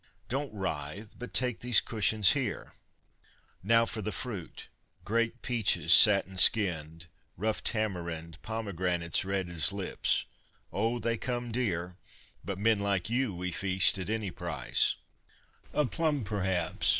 Don't writhe But take these cushions here! Now for the fruit! Great peaches, satin skinned, Rough tamarind, Pomegranates red as lips oh they come dear! But men like you we feast at any price A plum perhaps?